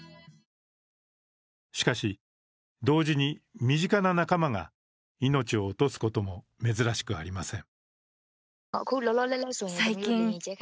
しかし、同時に身近な仲間が命を落とすことも珍しくありません。